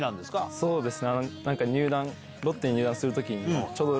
そうですね。